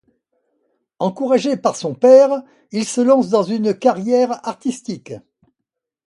Encouragé par son père, il se lance dans une carrière artistique.